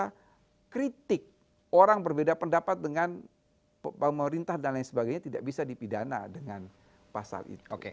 karena kritik orang berbeda pendapat dengan pemerintah dan lain sebagainya tidak bisa dipidana dengan pasal itu